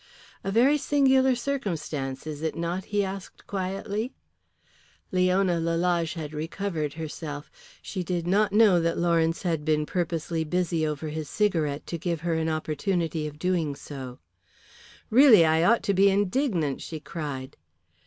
"A very singular circumstance, is it not?" he asked, quietly. Leona Lalage had recovered herself; she did not know that Lawrence had been purposely busy over his cigarette to give her an opportunity of so doing. "Really, I ought to be indignant," she cried.